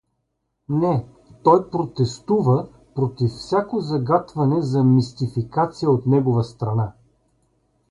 Не, той протестува против всяко загатване за мистфикация от негова страна.